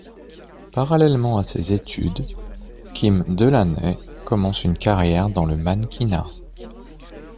Parallèlement à ses études, Kim Delaney commence une carrière dans le mannequinat.